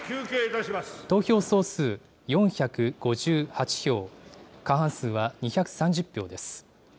投票総数４５８票、過半数は２３０票です。